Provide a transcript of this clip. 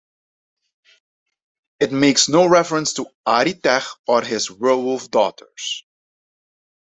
It makes no reference to Airitech or his werewolf daughters.